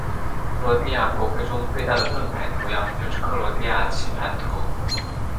克罗地亚国徽中最大的盾章图样就是克罗地亚棋盘图。